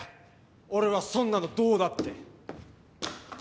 俺はそんなのどうだって。え？